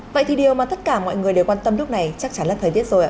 vậy thì điều mà tất cả mọi người đều quan tâm lúc này chắc chắn là thời tiết rồi ạ